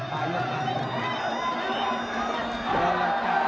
หลายลบค่ะหลายลบค่ะ